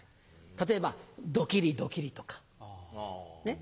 例えば「ドキリドキリ」とかね。